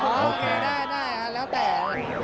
โอเคได้แล้วแต่